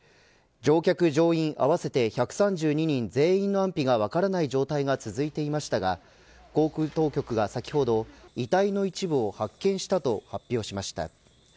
乗客、乗員合わせて１３２人全員の安否が分からない状態が続いていましたが航空当局が、先ほど遺体の一部を発見したと発表しました。